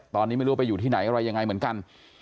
ตอนนี้ไม่รู้ว่าไปอยู่ที่ไหนอะไรยังไงเหมือนกัน